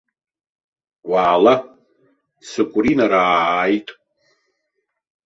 Уаала, цыкәринараа ааит.